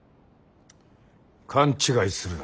勘違いするな。